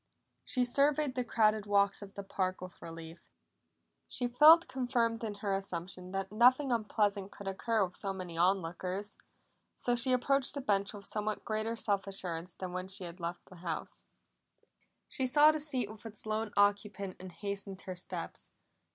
She surveyed the crowded walks of the park with relief; she felt confirmed in her assumption that nothing unpleasant could occur with so many on lookers. So she approached the bench with somewhat greater self assurance than when she had left the house. She saw the seat with its lone occupant, and hastened her steps.